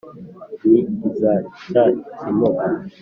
Ni iza cya Kimuga,